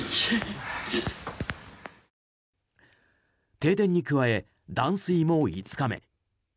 停電に加え断水も５日目。